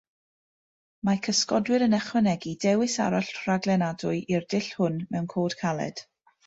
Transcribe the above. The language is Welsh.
Mae cysgodwyr yn ychwanegu dewis arall rhaglenadwy i'r dull hwn mewn cod caled.